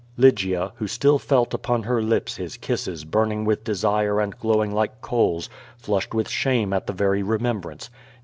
Lygia, who still felt upon her lips his kisses burning with desire and glowing like coals, flushed with shame at the very remembrance.